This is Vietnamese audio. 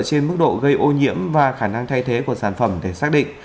trên mức độ gây ô nhiễm và khả năng thay thế của sản phẩm để xác định